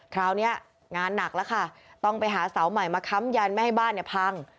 คราวนี้งานหนักแล้วค่ะต้องไปหาเสาใหม่มาค้ำยันไม่ให้บ้านเนี่ยพัง